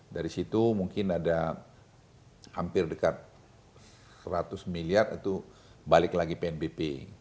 dari situ mungkin ada hampir dekat seratus miliar itu balik lagi pnbp